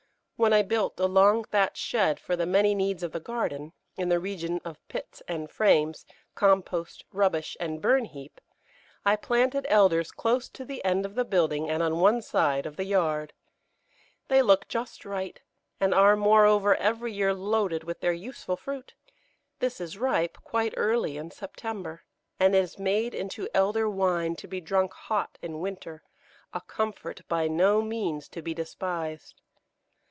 When I built a long thatched shed for the many needs of the garden, in the region of pits and frames, compost, rubbish and burn heap, I planted Elders close to the end of the building and on one side of the yard. They look just right, and are, moreover, every year loaded with their useful fruit. This is ripe quite early in September, and is made into Elder wine, to be drunk hot in winter, a comfort by no means to be despised.